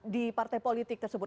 di partai politik tersebut